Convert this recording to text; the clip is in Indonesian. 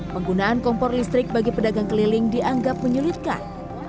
penggunaan kompor listrik bagi pedagang keliling dianggap menyulitkan